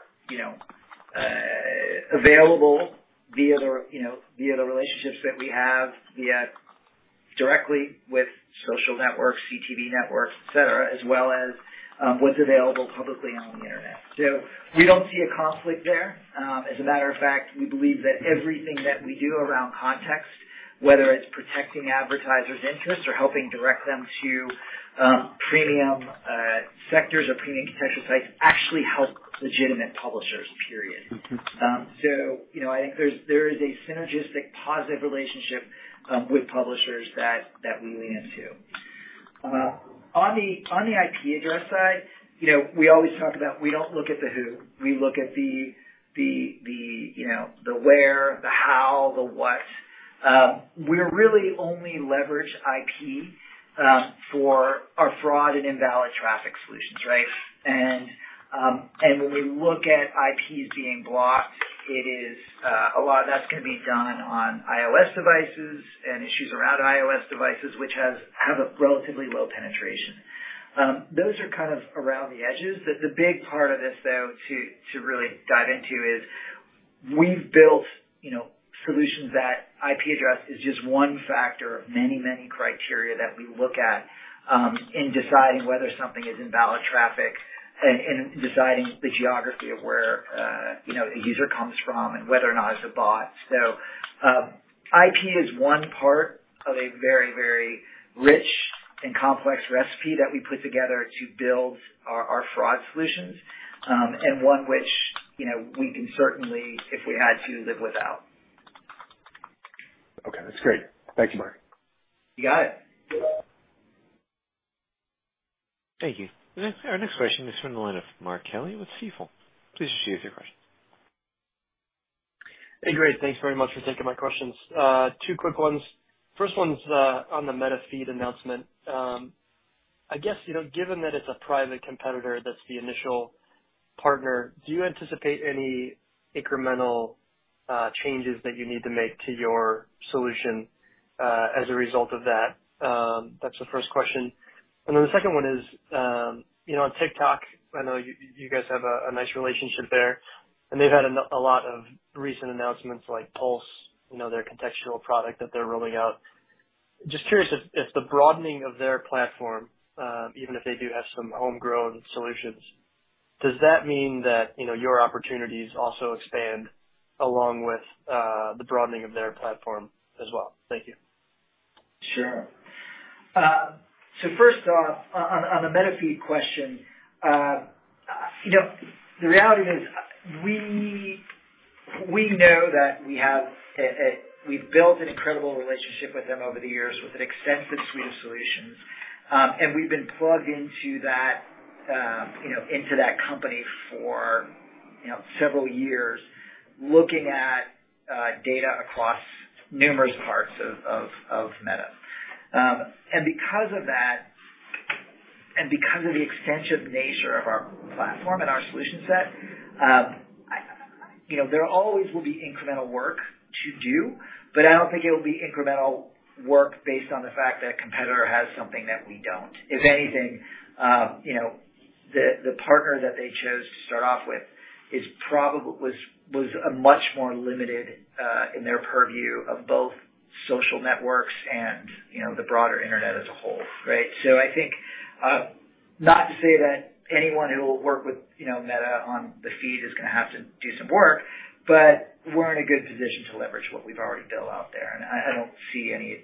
available via the relationships that we have directly with social networks, CTV networks, et cetera, as well as what's available publicly on the internet. We don't see a conflict there. As a matter of fact, we believe that everything that we do around context, whether it's protecting advertisers' interests or helping direct them to premium sectors or premium contextual sites, actually help legitimate publishers, period. I think there is a synergistic positive relationship with publishers that we lean into. On the IP address side, we always talk about. We don't look at the who. We look at the where, the how, and the what. We really only leverage IP for our fraud and invalid traffic solutions. When we look at IPs being blocked, it is a lot of that's going to be done on iOS devices and issues around iOS devices, which have a relatively low penetration. Those are around the edges. The big part of this, though, to really dive into is we've built solutions that IP address is just one factor of many criteria that we look at in deciding whether something is invalid traffic and deciding the geography of where a user comes from and whether or not it's a bot. IP is one part of a very rich and complex recipe that we put together to build our fraud solutions, and one which we can certainly, if we had to live without. Okay. That's great. Thank you, Mark. You got it. Thank you. Our next question is from the line of Mark Kelley with Stifel. Please proceed with your questions. Hey, great. Thanks very much for taking my questions. Two quick ones. First one's on the Meta feed announcement. Given that it's a private competitor that's the initial partner, do you anticipate any incremental changes that you need to make to your solution as a result of that? That's the first question. Then the second one is, on TikTok, I know you guys have a nice relationship there, and they've had a lot of recent announcements like Pulse, their contextual product that they're rolling out. Just curious if the broadening of their platform, even if they do have some homegrown solutions, does that mean that your opportunities also expand along with the broadening of their platform as well? Thank you. First off, on the Meta feed question, the reality is, we know that we've built an incredible relationship with them over the years with an extensive suite of solutions. We've been plugged into that company for several years looking at data across numerous parts of Meta. Because of that, and because of the extensive nature of our platform and our solution set, there always will be incremental work to do, but I don't think it'll be incremental work based on the fact that a competitor has something that we don't. If anything, the partner that they chose to start off with was a much more limited in their purview of both social networks and the broader internet as a whole. I think not to say that anyone who will work with Meta on the feed is going to have to do some work, but we're in a good position to leverage what we've already built out there. I don't see any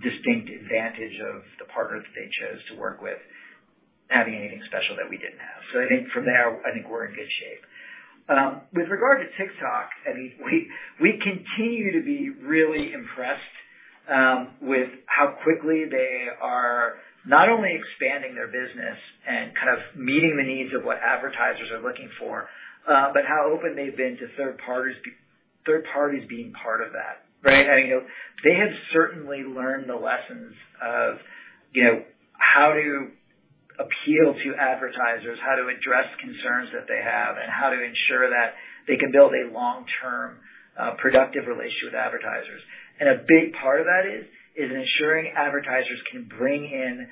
distinct advantage of the partner that they chose to work with having anything special that we didn't have. I think from there, we're in good shape. With regard to TikTok, we continue to be really impressed with how quickly they are not only expanding their business and meeting the needs of what advertisers are looking for, but how open they've been to third parties being part of that. They have certainly learned the lessons of how to appeal to advertisers, how to address concerns that they have, and how to ensure that they can build a long-term productive relationship with advertisers. A big part of that is ensuring advertisers can bring in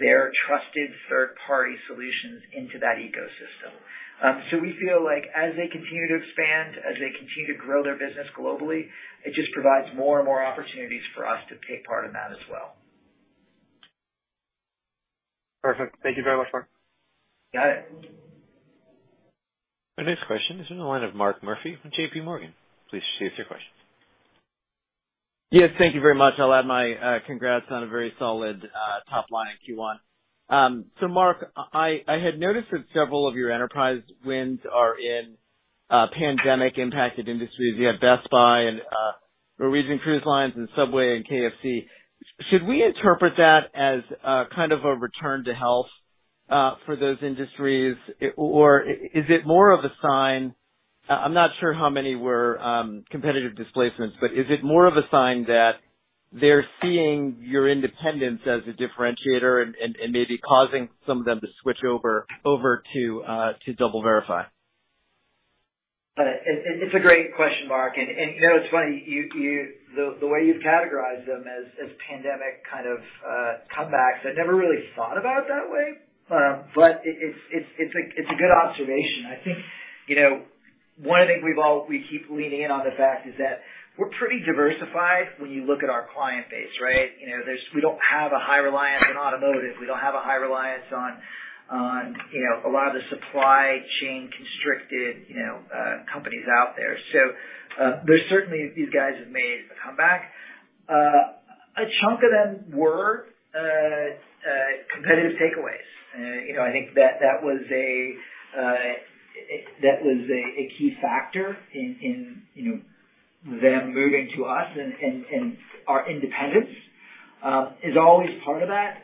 their trusted third-party solutions into that ecosystem. We feel like as they continue to expand, as they continue to grow their business globally, it just provides more and more opportunities for us to take part in that as well. Perfect. Thank you very much, Mark. Got it. Our next question is from the line of Mark Murphy from JPMorgan. Please state your question. Thank you very much. I'll add my congrats on a very solid top line in Q1. Mark, I had noticed that several of your enterprise wins are in pandemic impacted industries. You had Best Buy, Norwegian Cruise Line, Subway, and KFC. Should we interpret that as a return to health for those industries or is it more of a sign? I'm not sure how many were competitive displacements, but is it more of a sign that they're seeing your independence as a differentiator and maybe causing some of them to switch over to DoubleVerify? It's a great question, Mark, and it's funny, the way you've categorized them as pandemic comebacks, I never really thought about it that way. It's a good observation. I think one of the things we keep leaning in on the fact is that we're pretty diversified when you look at our client base. We don't have a high reliance on automotive. We don't have a high reliance on a lot of the supply chain constricted companies out there. Certainly, these guys have made a comeback. A chunk of them were competitive takeaways. I think that was a key factor in them moving to us and our independence is always part of that.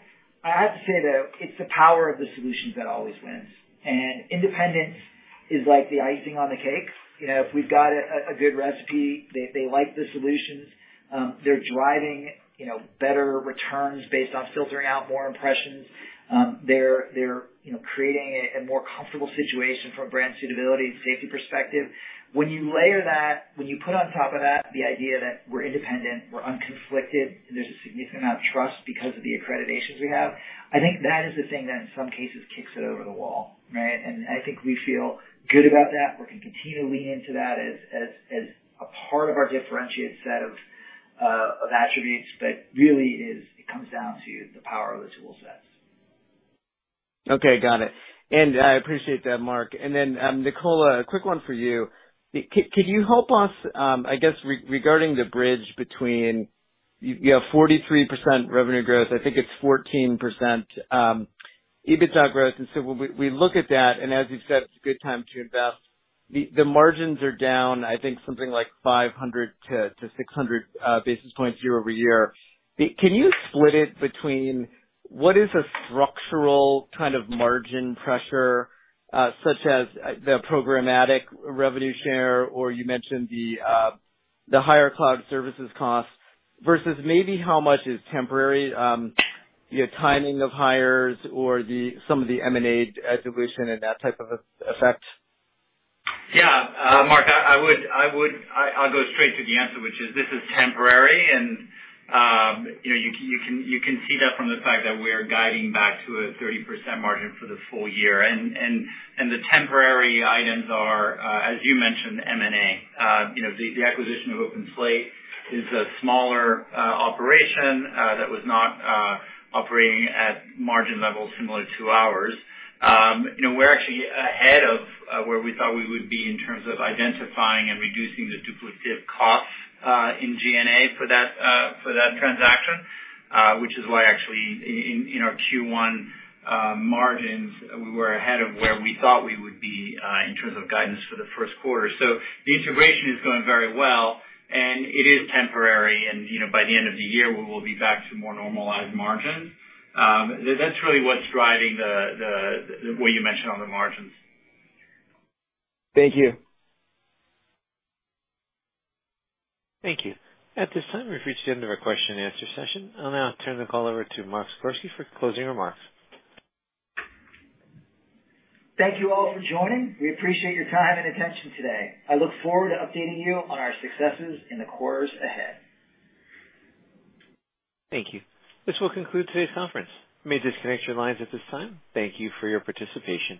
I have to say, though, it's the power of the solutions that always wins. Independence is like the icing on the cake. If we've got a good recipe, they like the solutions, they're driving better returns based on filtering out more impressions. They're creating a more comfortable situation from a brand suitability and safety perspective. When you layer that, when you put on top of that the idea that we're independent, we're unconflicted, and there's a significant amount of trust because of the accreditations we have, I think that is the thing that in some cases kicks it over the wall. I think we feel good about that. We're going to continue to lean into that as a part of our differentiated set of attributes, but really, it comes down to the power of the tool sets. Okay. Got it. I appreciate that, Mark. Nicola, a quick one for you. Can you help us? Regarding the bridge between, you have 43% revenue growth, I think it's 14% EBITDA growth. When we look at that, and as you've said, it's a good time to invest. The margins are down, I think something like 500-600 basis points year-over-year. Can you split it between what is a structural margin pressure, such as the programmatic revenue share or you mentioned the higher cloud services costs versus maybe how much is temporary timing of hires or some of the M&A dilution and that type of effect? Mark, I'll go straight to the answer, which is, this is temporary and you can see that from the fact that we're guiding back to a 30% margin for the full year. The temporary items are, as you mentioned, M&A. The acquisition of OpenSlate is a smaller operation that was not operating at margin levels similar to ours. We're actually ahead of where we thought we would be in terms of identifying and reducing the duplicative costs in G&A for that transaction, which is why actually in our Q1 margins, we were ahead of where we thought we would be in terms of guidance for Q1. The integration is going very well, and it is temporary. By the end of the year, we will be back to more normalized margins. That's really what's driving the what you mentioned on the margins. Thank you. Thank you. At this time, we've reached the end of our question and answer session. I'll now turn the call over to Mark Zagorski for closing remarks. Thank you all for joining. We appreciate your time and attention today. I look forward to updating you on our successes in the quarters ahead. Thank you. This will conclude today's conference. You may disconnect your lines at this time. Thank you for your participation.